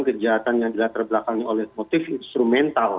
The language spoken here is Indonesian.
dan kejahatan yang telah terbelakangi oleh motif instrumental